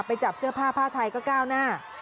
จับเสื้อผ้าผ้าไทยก็ก้าวหน้า